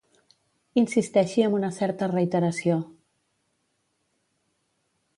Insisteixi amb una certa reiteració.